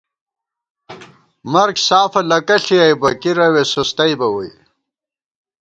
مرگ سافہ لَکہ ݪِیَئیبہ، کِرَوےسُستَئیبہ ووئی